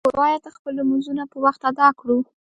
ټول باید خپل لمونځونه په وخت ادا کړو